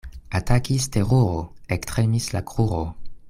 Atakis teruro, ektremis la kruro.